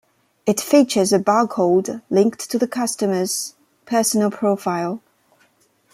It features a bar code, linked to the customer's personal profile.